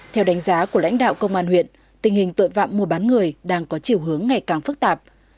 theo đánh giá của lãnh đạo công an huyện tình hình tội phạm mua bán người đang có chiều hướng ngày càng phức tạp